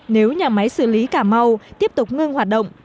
nếu nhà máy xử lý cà mau tiếp tục ngưng hoạt động